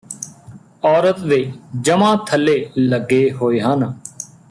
ਔਰਤ ਦੇ ਜਮਾਂ ਥੱਲੇ ਲੱਗੇ ਹੋਏ ਹਨ